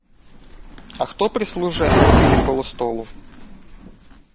— А хто прислужує Аттілі коло столу?